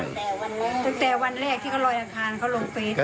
ตั้งแต่วันแรกที่เขารอยอังคารเขาโรงเฟส